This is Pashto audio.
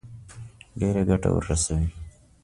ډېره ګټه ورسوي.